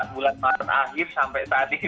bulan maret akhir sampai saat ini